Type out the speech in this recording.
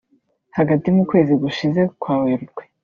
Hagati mu kwezi gushize kwa Werurwe